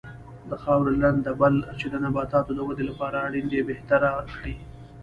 د خاورې لنده بل چې د نباتاتو د ودې لپاره اړین دی بهتره کړي.